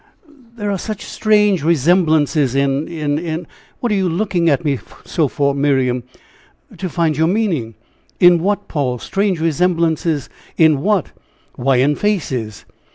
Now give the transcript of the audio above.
"There are such strange resemblances in in in What are you looking at me so for, Miriam?" "To find your meaning. In what, Paul strange resemblances in what?" "Why, in faces."